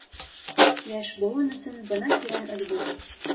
Йәш быуын өсөн бына тигән өлгө!